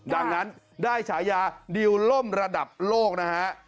ดังนั้นได้ฉายาดิวลล่มระดับโลกนะฮะ